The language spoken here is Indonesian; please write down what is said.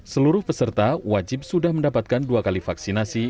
seluruh peserta wajib sudah mendapatkan dua kali vaksinasi